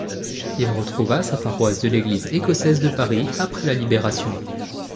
Il retrouva sa paroisse de l’Église écossaise de Paris après la Libération.